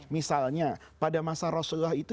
misalnya pada masa rasulullah itu